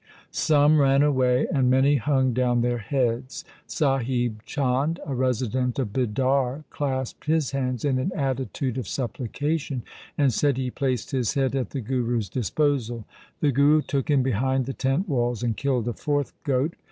Some ran away and many hung down their heads. Sahib Chand, a resident of Bidar, clasped his hands in an attitude of supplication, and said he placed his head at the Guru's disposal. The Guru took him behind the tent walls and killed a fourth goat.